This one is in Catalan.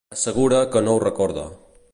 Assegura que no ho recorda.